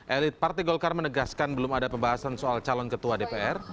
elit partai golkar menegaskan belum ada pembahasan soal calon ketua dpr